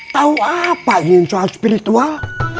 tahu apa ini soal spiritual